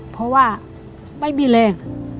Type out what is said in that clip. เพราะว่าไม่มีแรง